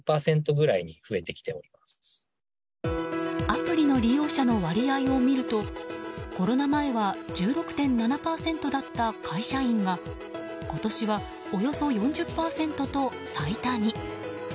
アプリの利用者の割合を見るとコロナ前は１６．７％だった会社員が今年はおよそ４０％と最多に。